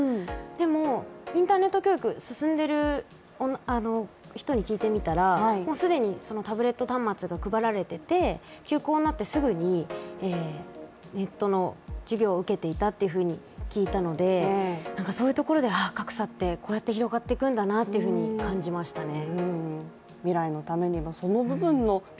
でもインターネット教育進んでる人に聞いてみたらもう既にタブレット端末が配られていて休校になってすぐにネットの授業を受けていたというふうに聞いたので、そういうところで格差ってこうやって広がっていくんだなと感じましたね。